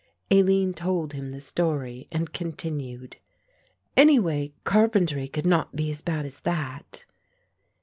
Aline told him the story and continued; "Anyway, carpentry could not be as bad as that."